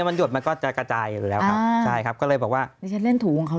มันหดมันก็จะกระจายอยู่แล้วครับใช่ครับก็เลยบอกว่าดิฉันเล่นถูของเขา